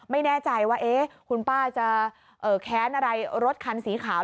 ไม่แน่ใจว่าคุณป้าจะแค้นอะไรรถคันสีขาว